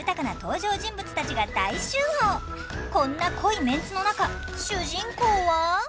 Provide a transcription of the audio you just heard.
こんな濃いメンツの中主人公は。